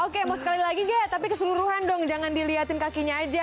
oke mau sekali lagi gaya tapi keseluruhan dong jangan dilihatin kakinya aja